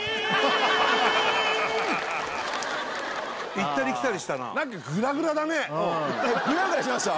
行ったり来たりしたなグラグラしました？